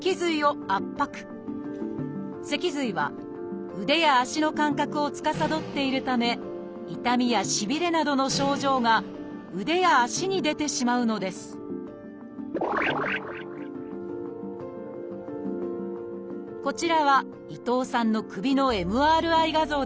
脊髄は腕や足の感覚をつかさどっているため痛みやしびれなどの症状が腕や足に出てしまうのですこちらは伊藤さんの首のＭＲＩ画像です。